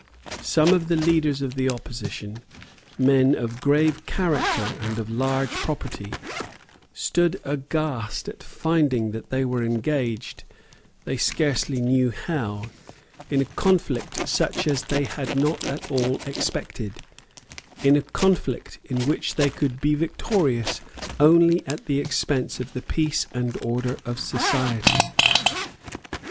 Some of the leaders of the opposition, men of grave character and of large property, stood aghast at finding that they were engaged, they scarcely knew how, in a conflict such as they had not at all expected, in a conflict in which they could be victorious only at the expense of the peace and order of society.